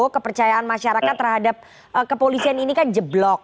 kepercayaan masyarakat terhadap kepolisian ini kan jeblok